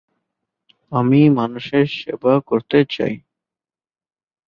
অধিনায়ক পার্সি চ্যাপম্যানের সহকারী ছিলেন তিনি।